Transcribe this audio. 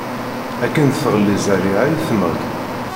Akken tɣelli zzarriɛa i tmeɣɣi.